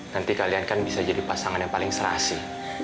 nanti kalian kan bisa jadi pasangan yang paling serasi